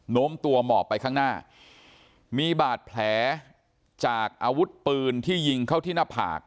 ้มตัวหมอบไปข้างหน้ามีบาดแผลจากอาวุธปืนที่ยิงเข้าที่หน้าผาก